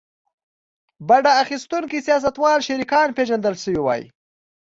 بډه اخیستونکي سیاستوال شریکان پېژندل شوي وای.